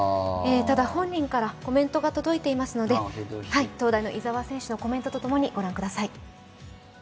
ただ本人からコメントが届いていますので、東大の井澤選手のコメントと合わせてご覧ください。